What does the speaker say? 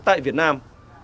tại việt nam